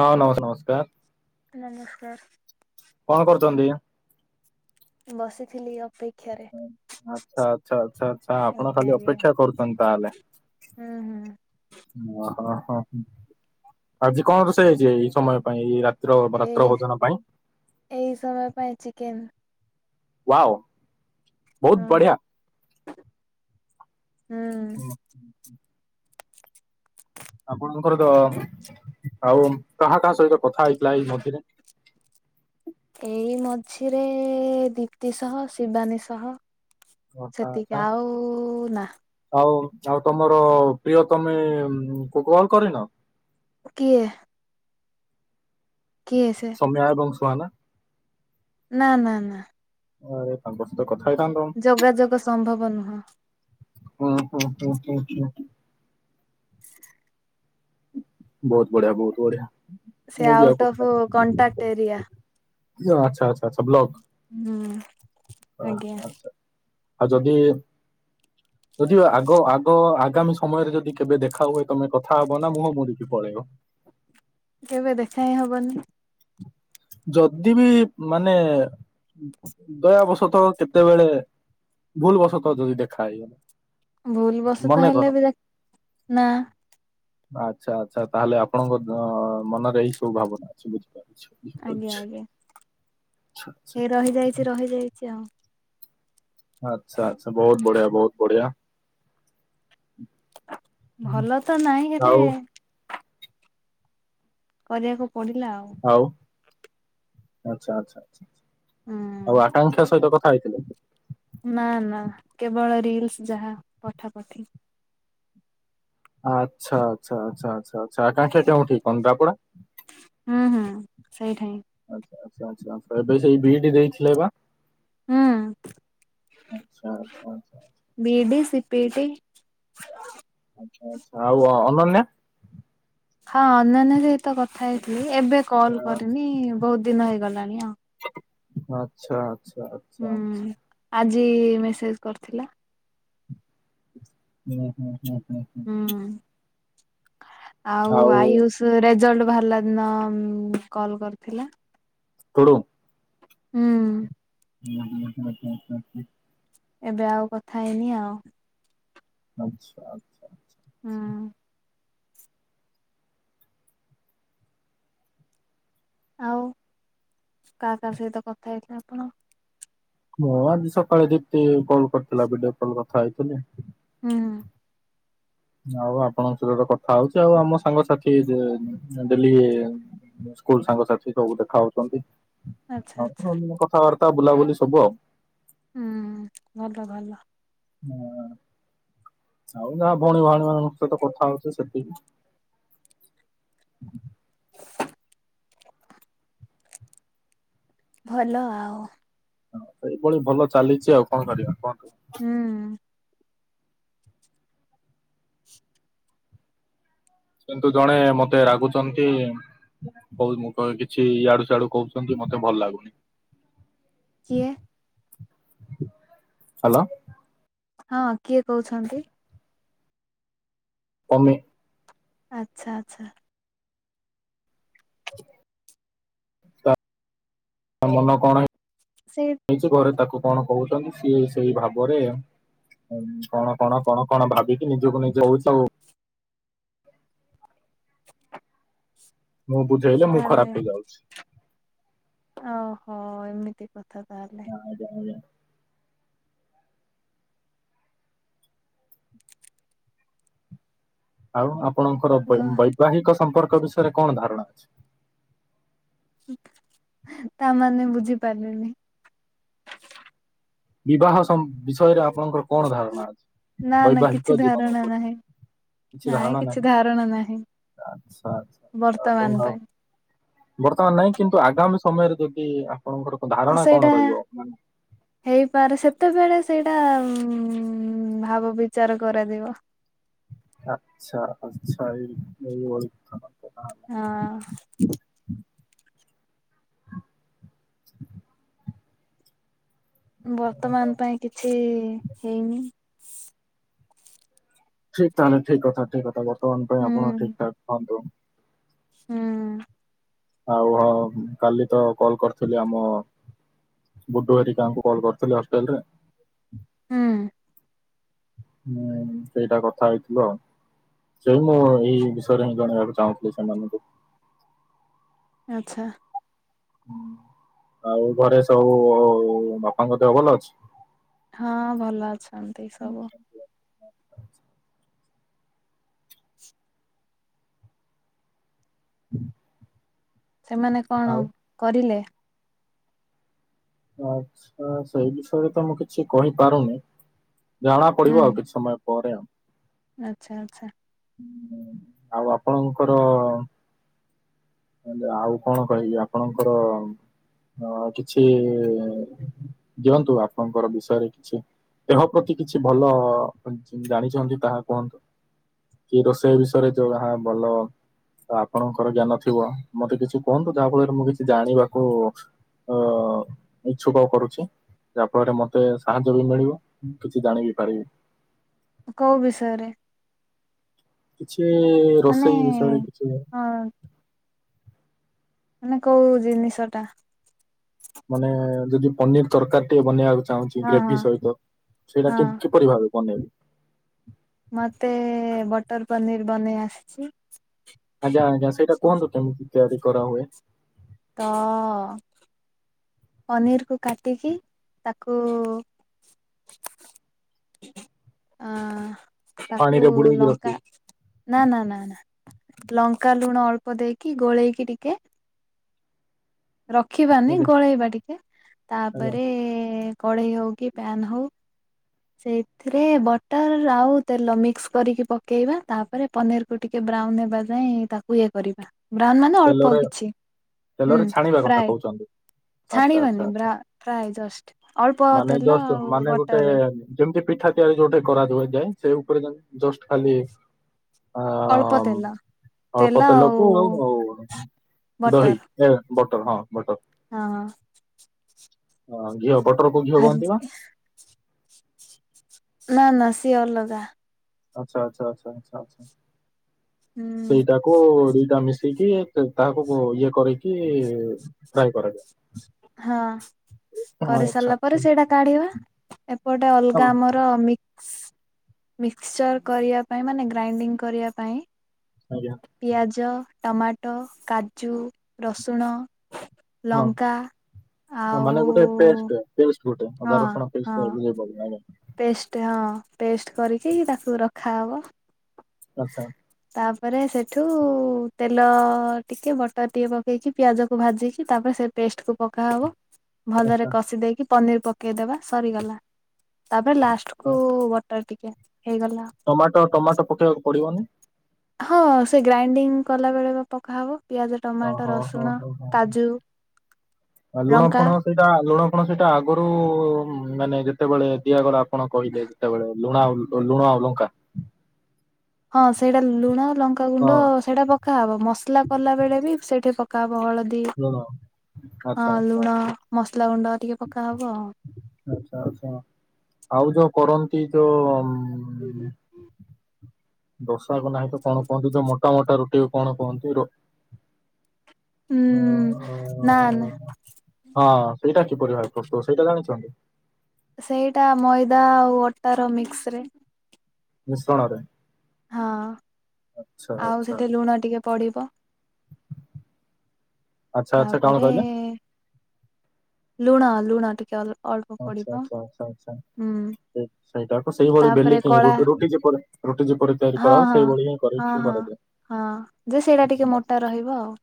ହଁ ନମସ୍ ନମସ୍କାର ନମସ୍କାର କଣ କରୁଛନ୍ତି ବସିଥିଲି ଅପେକ୍ଷାରେ ଆଚ୍ଛା ଆଚ୍ଛା ଆଚ୍ଛା ଆଚ୍ଛା ଆପଣ ଆଜ୍ଞା ଖାଲି ଆଜ୍ଞା। ଅପେକ୍ଷା କରୁଛନ୍ତି ତାହେଲେ ହୁଁ ହୁଁ ଓହୋ ହ ହଁ ଆଜି କଣ ରୋଷେଇ ହେଇଛି ଏଇ ସମୟ ପାଇଁ ଏଇ ରାତି ୍ର ବତ୍ର ଏଇ ଭୋଜନ ପାଇଁ ଏଇ ସମୟ ପାଇଁ ଚିକେନ ବାଓ ବହୁତ ହଁ। ବଢିଆ ହୁଁ ଆପଣଙ୍କର ତ ଆଉ କାହା କାହା ସହିତ କଥା ହେଇଥିଲା ଏଇ ମଧ୍ୟରେ ଏଇ ମଝିରେ ଦିପ୍ତି ସହ ଶିବାନୀ ସହ ଆଚ୍ଛା ଆଚ୍ଛା ସେତିକି ଆଉ ନା ଆଉ ଆଉ ତମର ପ୍ରିୟ ତମେ କୁକ୍ବଲ କରିନ ଓ କିଏ କିଏସ ସମ୍ୟାା ଏବଂ ସୁୁହାନ ନା ନା ନା ଆରେ ତାଙ୍କଷ ତ କଥା ହେ ଟଣି ର ଯୋଗାଯୋଗ ସମ୍ଭବ ନୁହଁ ହଁ ହୋଁ ହ ହ ବହୁତ ବଢିଆ ବହୁତ ବଢିଆ ସେ ମୁଁ ବି ଆଉଟ୍ ଅଫ୍ କଣ୍ଟାକ୍ଟ ଆ ଏରିଆ। ଆଚଛ ଆଛା ଆଛ ବଲକ ହୁଁ ଆଜ୍ଞା ଆଉ ଯଦି ଯଦି ଆଗ ଆଗ ଆଗାମୀ ସମୟରେ ଯଦି କେବେ ଦେଖା ହୁଏ ତମେ କଥା ହବ ନା ମୁଁମରିକି ପଳେଇବ କେବେ ଦେଖା ହ ହବନି ଯଦି ବି ମାନେ ଦୟବଶତଃ କେତେବେଳେ ଭୁଲ ବଶତଃ ଯଦି ଦେଖା ହେଇଗଲା ଭୁଲ ବସ ତ ମନେ କର ହେଲେ ବି ଯା ନା। ଆଚ୍ଛା ଆଚ୍ଛା ତାହେଲେ ଆପଣଙ୍କ ମନରେ ଏଇ ସବୁ ଭାବନା ଅଛି ବୁଝିପାରୁଛୁ? ଆଜ୍ଞା ଆଜ୍ଞା ଆଚ୍ଛା ଆଚ୍ଛା ଯିଏ ରହିଯାଇଛି ରହିଯାଇଛି ଆଉ। ଆଛା ଆଚ୍ଛା ବହୁତ ବଢିଆ ବହୁତ ବଢିଆ। ହୁଁ। ଭଲ ତ ନାହିଁ ହେଲେ। ଆଉ କରିବାକୁ ପଡିଲା ଆଉ। ଆଉ ଆଛା ଆଛା ଆଛା ଆଛା ହୁଁ ଆଉ ଆକାଂକ୍ଷା ସହିତ କଥା ହେଇଥିଲେ। ନାଁ ନାଁ କେବଳ ରିଲସ ଯାହା ପଠା ପଠି। ଆଚ୍ଛା ଆଛା ଆଚ୍ଛା ଆଛା ଆଛା ଆକାକ୍ଷା କେଉଁଠି କଦରାପଡା। ହୁଁ ହୁଁ ସେଇଠାଇଁ। ଆଚ୍ଛା ଆଚ୍ଛା ଆଛା ଆଛା ଏବେ ସେଇ ଡିଉଟି ଯାଇଥିଲେ ନା। ହୁଁ। ଆଛା ଚଛା ଆଛା। ବିଡ଼ି ସିପିଟି। ଆଚ୍ଛା ଆଚ୍ଛା ଆଉ ଅ ଅନନ୍ୟା। ହଁ ଅନନ୍ୟା ସହିତ କଥା ହେଇଥିଲି। ଏବେ କଲ କରିନି ବହୁତ ଦିନ ହେଇଗଲାଣି ଆଉ। ଆଚ୍ଛା ଆଚ୍ଛା। ଆଚ୍ଛା ହୁଁ ଆଚ୍ଛା ଆଜି ମେସେଜ କରିଥିଲା। ହୁଁ ହୁଁ ହୁଁ ହୁଁ। ହୁଁ ଆଉ ଆୟୁଷ ଯୋଉ ରେଜଲ୍ଟ ବାହାର ଦିନ କଲ୍ କରିଥିଲା। କୁଡୁଙ୍ଗ। ହୁଁ। ହୁଁ ହୁଁ ହୁଁ ହୁଁ ହୁଁ ହୁଁ। ଏବେ ଆଉ କଥା ହେଇନି ଆଉ। ଆଚ୍ଛା ଆଚ୍ଛା। ହୁଁ। ଆଉ କାହା କାହା ସହିତ କଥା ହେଇଥିଲେ ଆପଣ? ମୁଁ ଆଜି ସକାଳେ ଦୀପ୍ତି କଲ୍ କରିଥିଲା। ଭଡିଓ କଲ କଥା ହେଇଥିଲି। ହୁଁ। ଆଉ ଆପଣଙ୍କ ସହିତ ତ କଥା ହଉଛି। ଆଉ ଆମ ସାଙ୍ଗସାଥି ଯିଏ ଦିଲିରେ। ସ୍କୁଲ ସାଙ୍ଗସାଥି ସବୁ ଦେଖା ହଉଛନ୍ତି। ଆଚ୍ଛା ଆଚ୍ଛା। [unintelligible] କଥାବାର୍ତ୍ତା ବୁଲାବୁଲି ସବୁ ଆଉ। ହୁଁ ଭଲ ଭଲ। ହଁ ଆଉ ଯାହା ଭଉଣୀ ଭଉଣୀ ମାନଙ୍କ ସହିତ କଥା ହଉଚି ସେତିକି। ଭଲ ଆଉ। ହଁ ସେଇଭଳି ଭଲ ଚାଲିଛି ଆଉ କଣ କରିବା କଣ କର ହୁଁ। କିନ୍ତୁ ଜଣେ ମତେ ରାଗୁଛନ୍ତି। କହୁ ମୁଁ କ କିଛି ଇଆଡୁ ସିଆଡୁ କହୁଛନ୍ତି। ମତେ ଭଲ ଲାଗୁନି। କିଏ? ହାଲୋ। ହଁ କିଏ କହୁଛନ୍ତି। ଅମି। ଆଚ୍ଛା ଆଚ୍ଛା। [inaudible] ତା ମନ କଣ ସେ କିଛି ଘରେ ତାକୁ କଣ କହୁଛନ୍ତି ସିଏ ସେଇ ଭାବରେ। ହୁଁ କଣ କଣ କଣ କଣ ଭାବିକି ନିଜକୁ ନିଜେ ହୋଉଚି ହୋ ମୁଁ ବୁଝେଇଲେ ମୁଁ ତାହେଲେ ଖରାପ ହେଇଯାଉ ଓହୋ ଏମିତି କଥା ତାହେଲେ? ଆଜ୍ଞା ଆଜ୍ଞା। ଆଉ ଆପଣଙ୍କର ଘ ବୈ ବୈବାହିକ ସମ୍ପର୍କ ବିଷୟରେ କଣ ଧାରଣା ଅଛି? ତାମାନେ ବୁଝିପାରିଲିନି। ବିବାହ ସମ୍ପ ବିଷୟରେ ଆପଣଙ୍କର କଣ ଧାରଣା ଅଛି? ନା ନା କିଛି ବୈବାହିକ ଜୀବନ ଧାରଣା ଉପରେ। ନାହିଁ। କିଛି ନାଇଁ ଧାରଣା କିଛି ନାହିଁ। ଧାରଣା ନାହିଁ ଆଛା ଆଛା ଆଛା ବର୍ତ୍ତମାନ ହୋଉ। ପାଇଁ ବର୍ତ୍ତମାନ ନାଇଁ କିନ୍ତୁ ଆଗାମୀ ସମୟରେ ଯଦି ଆପଣଙ୍କର ଧାରଣା କଣ ସେଇଟା ରହିବ ମାନେ ହେଇପାରେ ସେତେବେଳେ ସେଇଟା ଉ ଭାବ ବିଚାର କରାଯିବ। ଆଚ୍ଛା ଆଛା ଏଇଭଳି କଥା। ଠିକ ହଁ। ବର୍ତ୍ତମାନ ପାଇଁ କିଛି ହେଇନି। ଠିକ ତାହେଲେ ଠିକ କଥା ଠିକ କଥା ବର୍ତ୍ତମାନ ପାଇଁ ହୁଁ ଆପଣ ଠିକ ଠାକ୍ ଥାଆନ୍ତୁ। ହୁଁ। ଆଉ ହଁ କାଲି ତ କଲ କରିଥିଲି ଆମ ବୁଡୁ ହେରିକାଙ୍କୁ କଲ କରିଥିଲି ହଷ୍ଟେଲରେ ହୁଁ। ହୁଁ ସେଇଟା କଥା ହେଇଥିଲୁ ଆଉ। ସେଇ ମୁଁ ଏଇ ବିଷୟରେ ହିଁ ଜଣେଇବାକୁ ଚାହୁଁଥିଲି ସେମାନଙ୍କୁ। ଆଛା। ହଁ ଆଉ ଘରେ ସବୁ ବାପାଙ୍କ ଦେହ ଭଲ ଅଛି? ହଁ ଭଲ ଅଛନ୍ତି ସବୁ। ହୁଁ ସେମାନେ କଣ କରିଲେ? ଆଚ୍ଛା ସେ ସେଇ ବିଷୟରେ ତ ମୁଁ କିଛି କହିପାରୁନି ଜଣା ପଡିବ ଆଉ କିଛି ସମୟ ପରେ ଆଉ। ଆଛା ଆଛା। ଆଉ ଆପଣଙ୍କର ନହେଲେ ଆଉ କଣ କହିବି ଆପଣଙ୍କର ହଁ କିଛି ଦିଅନ୍ତୁ ଆପଣଙ୍କର ବିଷୟରେ କିଛି। ଦେହ ପ୍ରତି କିଛି ଭଲ ଜାଣିଛନ୍ତି ତାହା କୁହନ୍ତୁ। କି ରୋଷେଇ ବିଷୟରେ ଯୋଉ ଯାହା ଭଲ ଆପଣଙ୍କର ଜ୍ଞାନ ଥିବ ମତେ କିଛି କୁହନ୍ତୁ ଯାହା ଫଳରେ ମୁଁ କିଛି ଜାଣିବାକୁ ଅ ଇଛୁକ କରୁଛି। ଯାହା ଫଳରେ ମତେ ସାହାଯ୍ୟ ବି ମିଳିବ କିଛି ଜାଣିବିି ପାରିବି। କୋଉ ବିଷୟରେ? କିଛି ମାନେ ରୋଷେଇ ଜିନିଷରେ କିଛି ହଁ ମାନେ କୋଉ ଜିନିଷ ଟା? ମାନେ ଯଦି ପନିର ତରକାରୀ ଟିକେ ବନେଇବାକୁ ଚାହୁଁଛି ହଁ ଗ୍ରେଭି ହଁ ସହିତ ସେଇଟା ହଁ କେମତି ପରି ଭାବେ ବନେଇବି। ମତେ ବଟର ପନିର୍ ବନେଇ ଆସିଛି। ଆଜ୍ଞା ଆଜ୍ଞା ସେଇଟା କୁହନ୍ତୁ କେମିତି ତିଆରି କରା ହୁଏ? ତ ପନିର କୁ କାଟିକି ତାକୁ ଆ ତାକୁ ପାଣିରେ ବୁଡେଇକି ଲଙ୍କା ରଖିବି ନା ନା ନା ନା ଲଙ୍କା ଲୁଣ ଅଳ୍ପ ଦେଇକି ଗୋଳେଇକି ଟିକେ ରଖିବାନି ଆଜ୍ଞା ଗୋଳେଇବା ଟିକେ ଆଜ୍ଞା ତାପରେ କଢେଇ ହଉ କି ପ୍ୟାନ ହଉ ସେଇଥିରେ ବଟର ଆଉ ତେଲ ମିକ୍ସ କରିକି ପକେଇବା ତାପରେ ପନିର ତ ଟିକେ ବ୍ରାଉନ ହେବା ଯାଏଁ ତାକୁ ଇଏ କରିବା। ବ୍ରାଉନ ମାନେ ଅଳ୍ପ ତେଲରେ କିଛି ତେଲରେ ହୁଁ ଛାଣିବା କଥା ଫ୍ରାଏ କହୁଛନ୍ତି। ଆଚ୍ଛା ଆଚ୍ଛା ଛାଣିବାନି। ଆଚ୍ଛା ଫ୍ରାଏ ଜସ୍ ମାନେ ଜଷ୍ଟ ମାନେ ଗୋଟେ। ଯେମିତି ପିଠା ତିଆରି ଯୋଉଟି କରାଦାଏ ଯାଏ ସେ ଉପରେ ଜଷ୍ଟ ଖାଲି। ଅଳ୍ପ ଆମ ତେଲ ଅଳ୍ପ ତେଲକୁ ଆଉ ଆଉ ବଟର ଦହି। ଏ ବଟର ହଁ ବଟର। ହଁ। ଅଁ ଘିଅ ବଟର କୁ ଘିଅ ଭାଜି କୁହନ୍ତି ବା। ନା ନା ସିଏ ଅଲଗା। ଆଚ୍ଛା ଆଚ୍ଛା ଆଛା ଆଛା ଆଛା ହୁଁ ସେଇଟା। କୋ ଦିଟା ମିଶେଇକି ତାହାକୁ ଇଏ କରକି ଫ୍ରାଏ କରାଯାଏ। ହଁ ହଁ ଆଚ୍ଛା। କରିସାରିଲା ପରେ ଆଚ୍ଛା। ସେଇଟା କାଢିବା ଏପଟେ ହଁ ଅଲଗା ଆମର। ମିକ୍ସ ମିକ୍ସଚର କରିବା ପାଇଁ ମାନେ ଗ୍ରାଇଡିଙ୍ଗ କରିବା ପାଇଁ। ଆଜ୍ଞା। ପିଆଜ ଟମାଟୋ କାଜୁ ରସୁଣ ଲଙ୍କା। ହଁ ମାନେ ଆଉ ଗୋଟେ ପେଷ୍ଟ ପେଷ୍ଟ ଗୋଟେ ଅଧା ହଁ ରସୁଣ ପେଷ୍ଟ ହଁ ଟାଇପ ଯୋଉ ପଡେ ଆଜ୍ଞା। ପେଷ୍ଟ ହଁ ପେଷ୍ଟ କରିକି ତାକୁ ରଖାହବ। ଆଚ୍ଛା। ତାପରେ ସେଠୁ ତେଲ ଟିକେ ବଟର ଟିକେ ପକେଇକି। ପିଆଜ କୁ ଭାଜିକି ତାପରେ ସେ ପେଷ୍ଟ କୁ ପକାହବ ଭଲରେ ଆଚ୍ଛା କଷି ଦେଇକି ପନିର ପ ପକେଇଦବା ସରିଗଲା ତାପରେ ଲାଷ୍ଟ କୁ ବଟର ଟିକେ ହେଇଗଲା। ଟମାଟୋ ଟମାଟୋ ପକେଇବାକୁ ପଡିବନି। ହଁ ସେ ଗ୍ରାଇଣ୍ଡିଙ୍ଗ କଲା ବେଳେ ବା ପକାହବ। ପିଆଜ ଟମାଟୋ ଓହୋ ହୋ ରସୁଣ ହୋ ହୋ। କାଜୁ ଆଉ ଲୁଣ ଲଙ୍କା। ଫୁଣ ସେଇଟା ଲୁଣ କଣ ସେଇଟା ଆଗରୁ ମାନେ ଯେତେବେଳେ ଦିଆଗଲା ଆପଣ କହିଲେ ଯେତେବେଳେ। ଲୁଣ ଆଉ ଲୁଣ ଆଉ ଲଙ୍କା। ହଁ ସେଇଟା ଲୁଣ ଲଙ୍କାଗୁଣ୍ଡ ହଁ ସେଇଟା। ପକାହବ ମସଲା କଲା ବେଳେ ବି ସେଇଠି ପକାହବ ହଳଦୀ। ଲୁଣ ଆଚ୍ଛା ହଁ ଆଚ୍ଛା ଲୁଣ ମସଲା ଗୁଣ୍ଡ ଟିକେ ପକା ହବ ଆଉ। ଆଛା ଆଛା ଆଉ ଯୋଉ କରନ୍ତି ଯୋଉ। ଦୋଷା କୁ ନାହିଁ ତ କଣ କୁହନ୍ତି ତ ମୋଟା ମୋଟା ରୁଟିକୁ କଣ କୁହନ୍ତି। ଉଁ ନାନ୍ ଆଁ। ହଁ ସେଇଟା କିପରି ଭାବେ ପ୍ରସ୍ତୁତ ସେଇଟା ଜାଣିଛନ୍ତି। ସେଇଟା ମଇଦା ଆଉ ଅଟାର ମିକ୍ସ ରେ। ମିଶ୍ରଣରେ। ହଁ ଆଚ୍ଛା ଆଉ ଆଚ୍ଛା ସେଠି ଲୁଣ ଟିକେ ପଡିବ। ଆଚ୍ଛା ଆଚ୍ଛା କଣ ତାପରେ କହିଲେ? ଲୁଣ ଲୁଣ ଟିକେ ଅଲ। ଅଳ୍ପ ଆଚ୍ଛା ପଡିବ ଆଚ୍ଛା ଆଚ୍ଛା ଆଚ୍ଛା ହୁଁ। ସେଇଟାକୁ ସେଇଭଳି ତାପରେ ବେଲିକି କଳା ରୁଟି ଯେପରି ରୁଟି ଯେପରି ତିଆରି ହଁ କରା ହଁ ସେଇଭଳି ହିଁ କରି ହଁ ହଁ କରାଯାଏ। ହଁ ଯେ ସେଇଟା ଆଚ୍ଛା ଟିକେ ମୋଟା ରହିବ ଆଉ।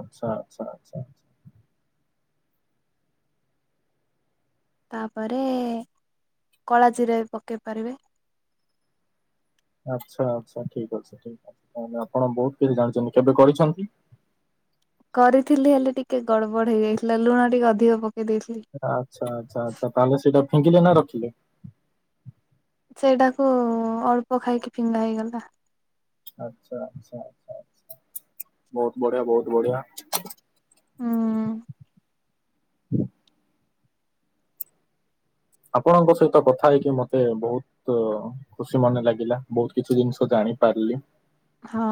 ଆଚ୍ଛା ଆଚ୍ଛା ଆଚ୍ଛା ଆଛା। ତାପରେ କଳା ଜିରା ବି ପକେଇ ପାରିବେ। ଆଚ୍ଛା ଆଚ୍ଛା ଠିକ୍ ଅଛି ଠିକ ଅଛି ତାହେଲେ ଆପଣ ବହୁତ କିଛି ଜାଣିଛନ୍ତି କେବେ କରିଛନ୍ତି। କରିଥିଲି ହେଲେ ଟିକେ ଗଡ଼ବଡ ହେଇଯାଇଥିଲା ଲୁଣ ଟିକେ ଅଧିକ ପକେଇ ଦେଇେଇଥିଲି। ଆଚ୍ଛା ଆଚ୍ଛା ଆଚ୍ଛା ତାହେଲେ ସେଇଟା ଫେଙ୍ଗିଲେ ନା ରଖିଲେ। ସେଇଟାକୁ ଅଳ୍ପ ଖାଇକି ଫିଙ୍ଗା ହେଇଗଲା। ଆଛା ଆଛା ଆଛା ଆଛା ବହୁତ ବଢିଆ ବହୁତ ବଢିଆ। ହୁଁ। ଆପଣଙ୍କ ସହିତ କଥା ହେଇକି ମତେ ବହୁତ। ଖୁସି ମନେ ଲାଗିଲା ବହୁତ କିଛି ଜିନିଷ ଜାଣିପାରିଲି। ହଁ।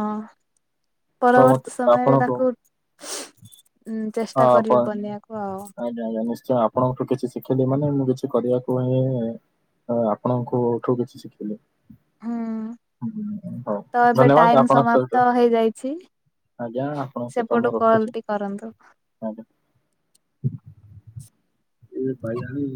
ତ ମତେ ପରବର୍ତ୍ତୀ ସମୟରେ ଆପଣଙ୍କୁ ତାକୁ ଚେଷ୍ଟା କରିବି ବନେଇବାକୁ ଆଉ। ଯା ଆଜ୍ଞା ନିଶ୍ଚୟ ଆପଣଙ୍କଠୁ କିଛି ଶିଖିଲି ମାନେ ମୁଁ କିଛି କରିବାକୁ ହିଁ ଆଉ ଆପଣଙ୍କଠୁ କିଛି ଶିଖିଲି। ହୁଁ। ହଉ‌। ତ ଏବେ ଟାଇମ୍ ସମାପ୍ତ ହେଇଯାଇଛି। ଆଜ୍ଞା ଆପଣଙ୍କ ସହିତ ମୁଁ ସେପଟୁ କଲ୍ ରଖୁଛି ଟି କରନ୍ତୁ। ଆଜ୍ଞା ଏ ବାଇଆଣି।